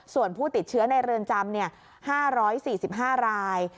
ส่วนผู้ติดเชื้อในเรือนจำ๕๔๕ราย